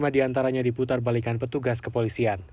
empat puluh lima diantaranya diputar balikan petugas kepolisian